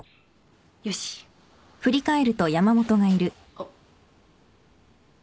あっ。